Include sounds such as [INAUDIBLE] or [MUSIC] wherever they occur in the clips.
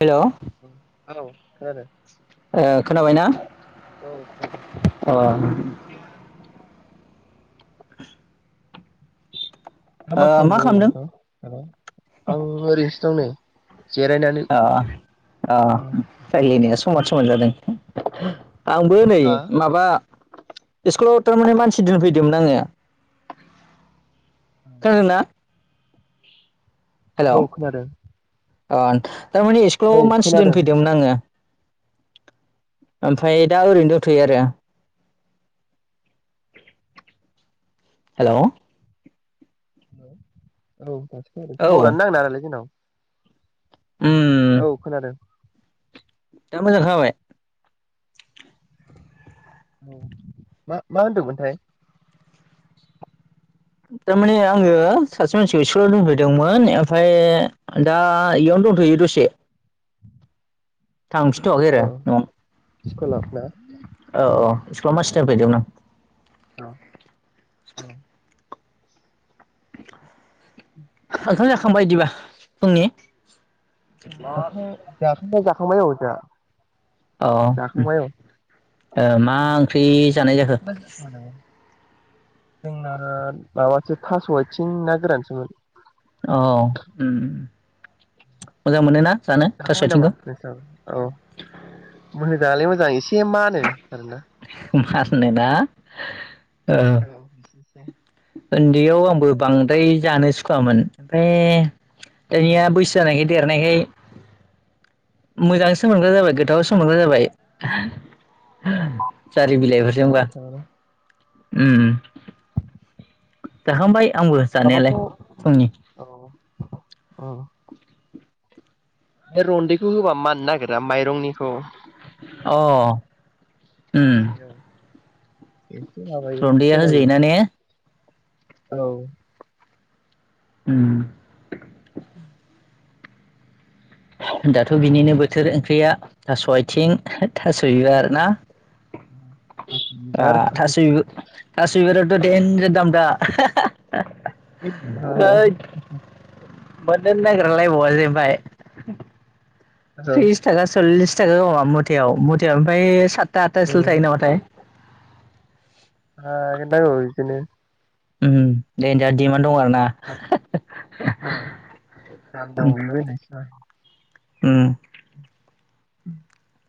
हेल'। औ। ओ खोनाबायना? औ [UNINTELLIGIBLE] अ ओ दा मा खालामदों ओरैनो नोंथांङा [UNINTELLIGIBLE] ' आं ओरैनोसो दं नै जिरायनानै ओ ओ रायलायनाया समान समान जादों। [UNINTELLIGIBLE] आंबो नै हा माबा। स्कुलाव तारमाने मानसि दोनफैदोंमोन आङो खोनादोंना? औ खोनादों। आन थारमाने औ स्कुलाव मानसि खोनादों दोनफैदोंमोन आङो ओमफ्राय दा ओरैनो दंथ'यो आरो हेल'। औ। [UNINTELLIGIBLE] टावारानो नांनो नागेरालै जोंनाव। उम औ खोनादों। दा मोजां खोनाबाय? औ मा मा होनदोंमोनथाय? थारमाने आङो सासे मानसिखौ स्कुलाव दोनफैदोंमोन ओमफ्राय दा इयावनो दंथ'यो दसे। थांफिनथ'वाखै औ आरो न'आव। [UNINTELLIGIBLE] औ औ औ [UNINTELLIGIBLE] औ औ। ओंखाम जा खांबाय इदिबा फुंनि जाखां जाखांबाय जाख [UNINTELLIGIBLE] औ उम ओ मा ओंख्रि जानाय जाखो? जोंना माबासो थास' आथिं ना गोरानसोमोन। औ उम मोजां मोनो ना? जाखांबाय नामा नोंस्रा औ [UNINTELLIGIBLE] जालाय मोजां एसे मानो आरोना। माननो ना? ओ औ एसे एसे उन्दैयाव आंबो बां ओइ जानो सुखुवामोन ओमफ्राय दानिया ओम बैसो जानायखाय देरनायखाय मोजां मोनग्रा जाबाय ओम गोथाव सोमोनग्रा जाबाय। ओम [UNINTELLIGIBLE] जारि बिलाइफोरजोंबा जाबाय थाबानो ओम। जाखांबाय आंबो जानायालाय फुंनि। ओ। बे रन्दैखौ होबा माननो नागिरा माइरंनिखौ। अ ओम। औ एसे माबायो खमायो। औ। उम। [UNINTELLIGIBLE] दाथ' बिनिनो बोथोर ओंख्रिया थास'आइथिं। थास' बिबार ना आ बिबार औ थास' बिबार थास' बिबाराथ' देनजार दाम दा। [UNINTELLIGIBLE] हागोन ओइथ मोननो नो नागेरालाय [UNINTELLIGIBLE] [INAUDIBLE] थ्रिस थाखा सलिस मुथायाव मुथायाव ओमफाय साथ था आथासोल' थायो नामाथाय थागोनदां औ बिदिनो ओम दे दा दिमा [UNINTELLIGIBLE] ओम [INAUDIBLE]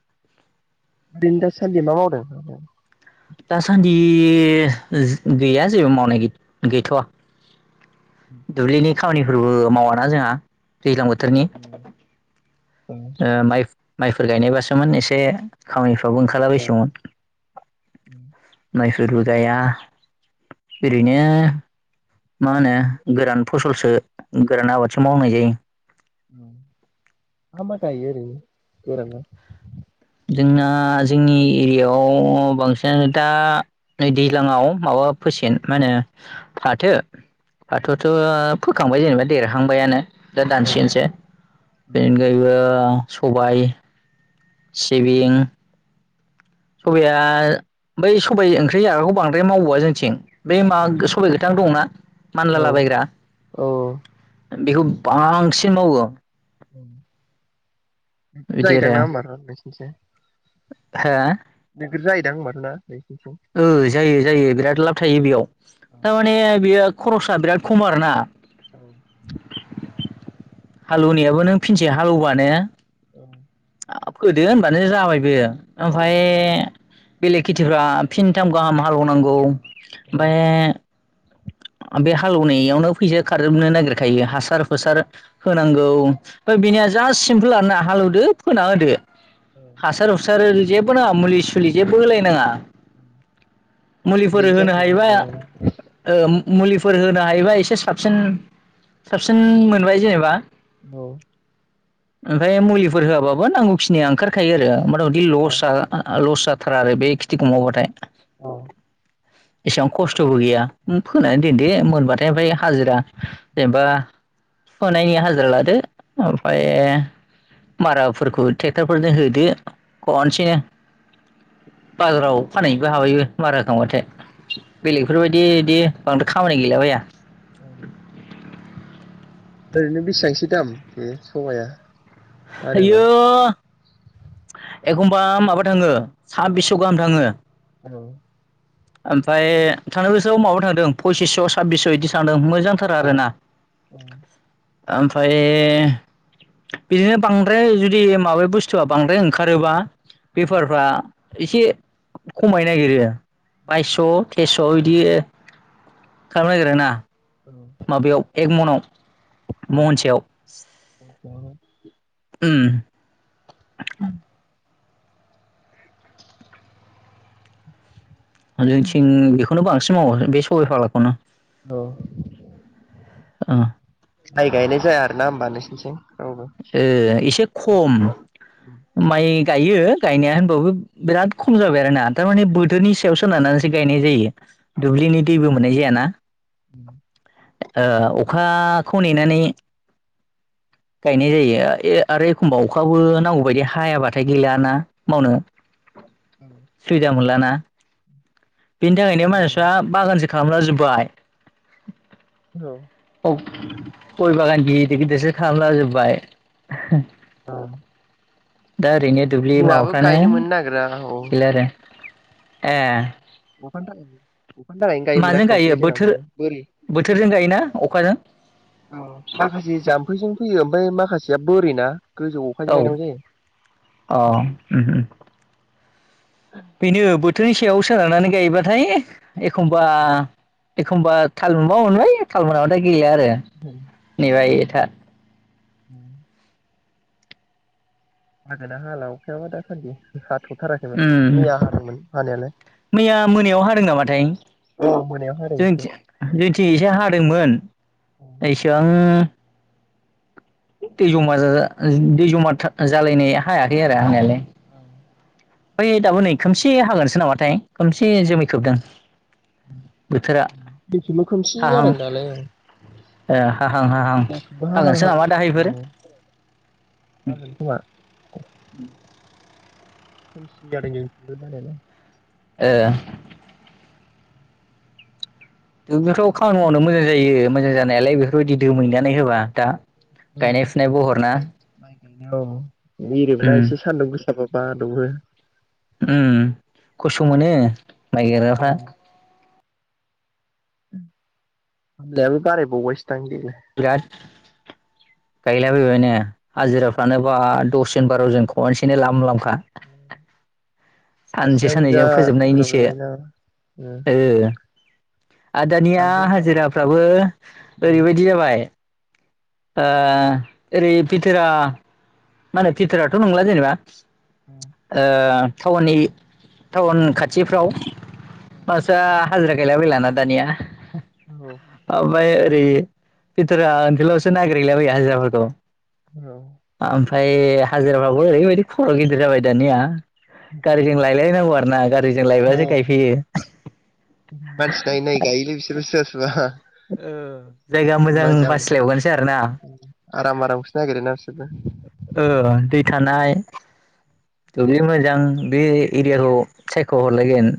ओरैनो दासान्दि मा मावदों दासान्दि गैया जेबो मावनाय गैथया दुब्लिनि खामानिफोरबो मावाना जोंहा दैज्लां बोथोरनि ओ माइ माइफोर गायनायबासोमोन एसे खामानिफोर बो ओंखारला औ बायसिगौमोन [INAUDIBLE] माइफोरबो गाइया औ ओरैनो मा होनो गोरान फसलसो गोरान आबादसो मावनाय जायो ओं मा मा गायो ओरैनो गोरानाव जोंना जोंनि एरियायाव बांसिनानो दा नै दैज्लाङाव माबा फोसिगोन मा होनो फाथो औ फाथोथ फोखांबाय जेनेबा देरहांबायानो दा औ दानसिगोनसो औ [UNINTELLIGIBLE] सबाय सिबिं सबाया बै सबाय ओंख्रि जाग्राखौ बांद्राय मावबावा जोंथिं बे माबा सबाइ गोथां दंना मानलालाबायग्रा औ बेखौ बांसिन मावो [INAUDIBLE] [UNINTELLIGIBLE] बिदि जायोदां आरो होमबाथ नोंसिनिथिं हो नोगोर जायोदां होनबाथ ना [UNINTELLIGIBLE] ओ जायो जायो बिराद लाब थायो बेयाव औ थ नियो बियो खरसाआ बिराद खम आरो ना औ हालौवनाययाबो नों फिनसे हालौबानो औ हाब फोदियो होनबानो जाबाय बियो औ ओमफ्राय बेलेग खेथिफ्रा फिनथाम गाहाम हालेवनांगौ ओमफाय औ बे हालेवनायावनो फैसा खारजोबनो नागिरखायो हासार हुसार नांगौ ओफाय बिनिया जा सिमपोल आरो ना हालेवदो फोना होदो हासार हुसार जेबो नाङा मुलि सुलि जेबो होलायनाङा मुलिफोर ओरैनो होनो जाखायोना हायोबा होमबा? मुलिफोर होनो हायोबा एसे साबसिन साबसिन मोनबाय जेनेबा औ ओमफ्राय मुलिफोर होयाबाबो नांगौ फि [UNINTELLIGIBLE] नाया ओंखारखायो आरो मथा मदि औ लस लस जाथार आरो बे खेथिखौ मावबाथाय औ एसां खस्थ' स्थ'बो गैया फोनानै दोनदो मोनबाथाय बै हाजिरा जेनेबा फोनायनि हाजिरा लादो ओमफ्राय माराफोरखौ ट्रेक्ट'रफोरजों होदो खनसेनो बाजाराव फानहैनोबो हाबायबो मारा होखांबाथाय बेलेगफोरबायदि बिदि बांद्राय खामानि गैलाबाया ओरैनो बेसेबांसो दाम बे सबाया फानोबा? आयऔ एखमबा माबा थाङो साबबिसस' गाहाम थाङो। उम ओमफ्राय थांनाय बोसोराव माबा थांदों पसिस' साब्बिस' बिदि थांदों मोजां मोजांथार आरोना। औ ओमफ्राय बिदिनो बांद्राय जुदि माबा बुस्थुआ बांद्राय ओंखारोबा बेफारफ्रा एसे खमायनो नागिरो। बायस' थेसह बिदि खालामनो नागिरो ना? माबायाव एकमनाव औ। ओम। [INAUDIBLE] आरो जों बेखौनो बांसिन मावो बे सबाय फाग्लाखौनो औ। ओ माइ गायनाय जाया आरोना होनोमबा नोंसोरथिं। एसे खम माइ गायो गायनाया होनबावबो बिराद खम जाबाय आरोना थारमाने बोथोरनि सायाव सोनारनानैसो गायनाय जायो। दुब्लिनि दैबो मोननाय जायाना । [INAUDIBLE] ओ अखाखौ नेनानै गायनाय जायो आरो एखमबा अखाबो नांगौ बायदि हायाबाथाय गैलियाना मावनो । सुबिदा मोनला ना [INAUDIBLE] बेनि थाखायनो औ मानसिफ्रा बागानसो खालामला जोब्बाय। हेलौ गय बागान गिदिर गिदिरसो खालामला जोबबाय। औ। दा ओरैनो दुब्लि माबाफ्रानो मोननो नागिरा औ गैला आरो ए। [UNINTELLIGIBLE] अखानि थाखायनो गायनो मोना माजों गायो खावसे जोंनाबो बोथोर बोरि बोथोरजों गायोना? अखाजों? औ माखासे जाम्फैजों फैयो ओमफ्राय माखासेया बोरि ना औ औ जायो उम बेनो बो थोरनि सायाव सोनारनानै गायोबाथाय एखमबा एखम्बा थाल मोनबा मोनबाय थाल मोनाबाथाय गैया आरो नेबाब था। [INAUDIBLE] हागोनना हाला अखायाबा दासान्दि हाथथाराखै उम माथो मैया हादोंमोन हानायालाय मैया मोनायाव हादों नामाथाय औ मोनायाव हादों एसे दिनै एसे हादोंमोन। इसिबां दै जमा दै जमा था जालाय हायाखै आरो हानायालाय। औ बै दाबो नै खोमसि हागोनसो नामाथाय खोमसि जोमै खोबदों। बोथोरा बेखेबाव खोमसि जादों दालाय औ। ए हाहां‌ हाहां हाहां हागोनसो हाहां नामा जादों दाहायफोर। औ मा होनगोन खोमा खोमसि जादों जोंथिंबो जानायालाय। ए दुल्बिआवथ खामानि मावनो मोजां जायो। मोजां जानायालाय बेफोरबायदि दोमैनानै होबा दा। [UNINTELLIGIBLE] औ गायनाय फुनाय बहरना माइ गायनो औ उम एरिबोना एसे सान्दुं गोसाबा । बा दुङो। उम खस्थ मोनो। माइ गायग्राफ्रा। खामलायाबो बारायबावबायसो। नोंथां देग्लाय। गायला बायबाय ने। हाजिराफ्रानो बा दसजन बारजन खनसेनो लाम लामखा सानसे सासेयावनो जा साननैजों बुरजा फोजोबनायनिसो बुरजा लायोना ओ आर दानिया थामजौ गाहाम हाजिराफ्राबो उम ओरैबायदि जाबाय ओ ओरै फिथारा माने फिथराथ नंला जेनेबा? उम ओ टाउननि टाउन खाथिफ्राव आसा हाजिरा गायला बायला ना दानिया औ ओमफाय बेयो बिथोरा ओलाव [UNINTELLIGIBLE] नागिरहैलाबायो हाजिराफोरखौ [INAUDIBLE] ओमफ्राय हाजिराफ्राबो ओरैबायदि खरगिदिर जाबाय दानिया गारिजों लायलायनांगौ आरो ना गारिजों औ लायबासो गायफैयो मानसि नायै नायै गायोलै बिसोरबो सोरा सोरबा जायगा मोजां बासिलायबावगोनसो आरो ना आराम आरामखौसो नागिरो ना बिसोरबो ओ दै थानाय दुब्लि मोजां बे एरियाखौ सायख हरलाय आरो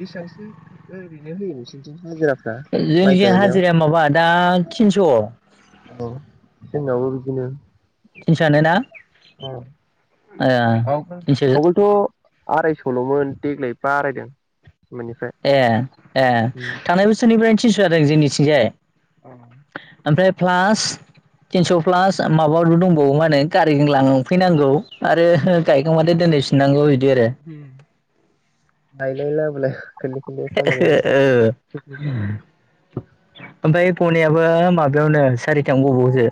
बेसांसो ओरैनो होयो नोंसोरथिं हाजिरा जों जे हाजिराया माबा दा थिनस' औ जोंनावबो बिदिनो थिनस'आनो ना ओ थिनस' [UNINTELLIGIBLE] आरायस'ल'मोन देग्लाय बारायदों मोननिफ्राय ए ए उम थांनाय बोसोरनिफ्राय थिनस' जादों जोंनिथिंजाय ओमफ्राय प्लास तिनस' प्लास माबा माबि दंबावो मा होनो गारिजों लांफैनांगौ आरो गायखांब्लाथाय दोनहै फिननांगौ लाय लायला [UNINTELLIGIBLE] ओ ओमफाय गनायाबो माबायावनो सारिथायावनो गबावोसो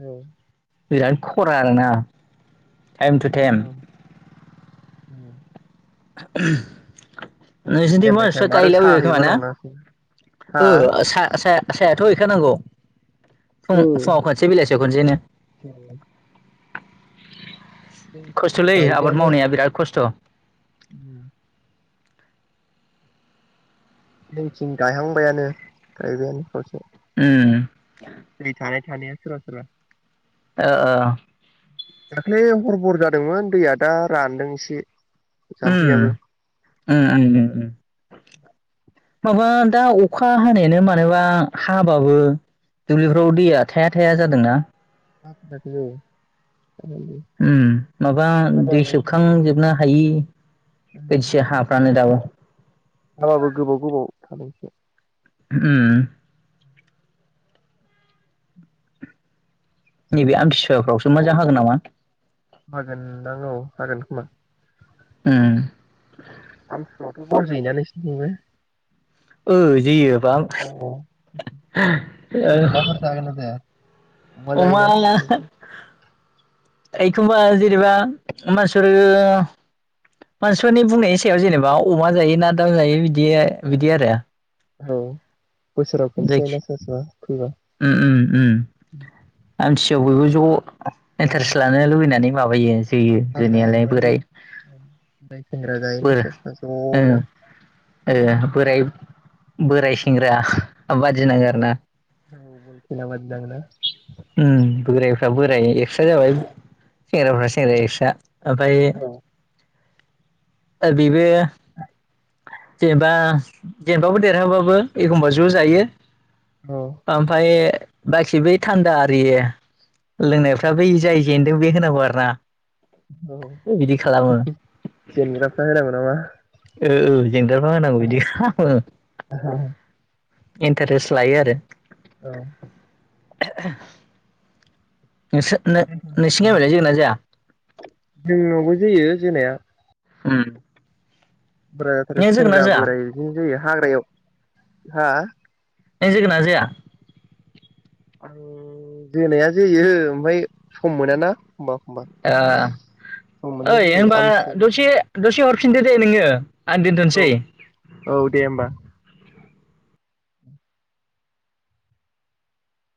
औ बिराथ खरा आरोना टाइम टु टाइम [INAUDIBLE] [UNINTELLIGIBLE] नोंसोरनिथिं टाइम बाय टाइम आरो मानसिफ्रागायला साहा बायबाय खोमा हैयोबा ना? नंना हा ओ साया साया सायाथ' हैखानांगौ औ फुं फुङाव जोंथिं खनसे बेलासियाव खनसेयैनो खस्थ'लै आबाद मावनाया बिराद खस्थ' उम जोंनिथिं गायहांबायानो गायबायानो खावसे उम दै थानाय थानाया सोरबा सोरबा ओ ओ दाख्लै हरबर जादोंमोन दैया दा रानदोंसो उम उम उम उम माबा दा अखा हानायानो मानोबा हाबाबो दुब्लिफ्राव दैया थाया थाया जादोंना [UNINTELLIGIBLE] उ माबा दै हाबाबो सोबखांजोबनो हायि बायदिसो हाफ्रानो दाबो हालौ एसे उम नैबे आमतसुवाफ्रावसो मोजां हागोन नामा? हागोन दां औ हागोन खोमा उम [UNINTELLIGIBLE] बल जोयो ना नोंसिथिंबो। ओ जियो बां अमाफोर जागोनना जाया अमा जायोना ला नोंसिनिथिं? एखमबा जेनेबा मानसिफोरो मानसिफोरनि बुंनायनि सायाव जेनेबा अमा जायो ना दाउ जायो बि दि बिदि आरो औ बोसोराव खनसे जायखि जायोना सोरबा सोरबा फैबा उम उम मानस याव बयबो ज' औ एन्टारेस्ट लानो लुबैनानै माबायो जोयो हाग्रा जोनियालाय एवनानै बोराय ओमफ्राय सेंग्रा जायोना बोर सोरबा ओ सोरबा ज'नो ओ बोराय बोराय सेंग्रा ओबाजि ज'नो नाङो आरोना औ बल बाजि नाङो ना बोरायफ्रा बोराय एक्सट्रा जाबाय सेंग्राफ्रा सेंग्राया एक्स्रा ओमफायो औ ओ बिबो जेनेबा जेनबाबो देरहाबाबो एखमबा ज' जायो औ ओमफाय बाखि बै थान्दा आरियो लोंनायफ्रा बै जाय जेन बे होनांगौ आरो ना औ बिदि खालामो जेनग्राफ्रा होनांगौ नामा? ओ ओ जेंग्राफ्रा होनांगौ बिदि खामो इन्टारेस्ट लायो आरो औ [UNINTELLIGIBLE] नोंसो नो-नोंसिनि गामिनिया जोगोना जोआ जोंनावबो जोयो जोनाया उम बोरायफारै सेंग्रा बोराय बिदिनो जोयो हाग्रायाव हा नों जोगोना जोया आं जोनाया जोेयो ओमफाय सम मोना ना ओ मोननायाव ओइ जोयो होनबा आमसि दसे दसे हर फिनदो दे नोंङो औ औ दे होमबा